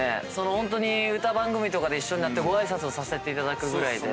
ホントに歌番組とかで一緒になってご挨拶をさせていただくぐらいで。